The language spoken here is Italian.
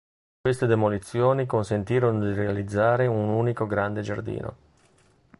Queste demolizioni consentirono di realizzare un unico grande giardino.